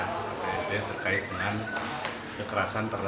kpiid terkait dengan kekerasan terlaku